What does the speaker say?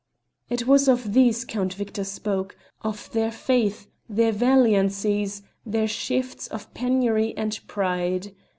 It was of these Count Victor spoke of their faith, their valiancies, their shifts of penury and pride.